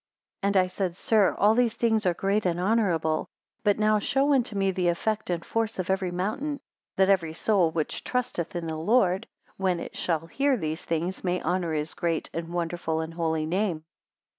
177 And I said; Sir, all these things are great and honourable; but now show unto me the effect and force of every mountain: that every soul which trusteth in the Lord, when it shall hear these things may honour his great, and wonderful, and holy name.